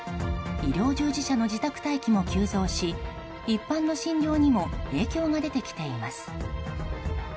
医療従事者の自宅待機も急増し一般の診療にも影響が出てきています。